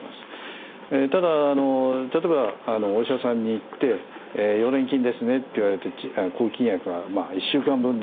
ただ例えばお医者さんに行って「溶連菌ですね」って言われて抗菌薬が１週間分出る。